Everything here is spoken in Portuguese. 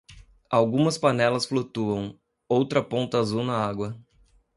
Algumas panelas flutuam, outra ponta azul na água.